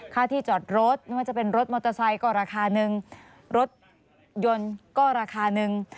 ค่าที่จอดรถไม่ว่าจะเป็นรถมอเตอร์ไซค์ก็ราคาหนึ่งรถยนต์ก็ราคาหนึ่ง